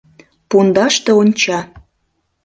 Пундаште онча.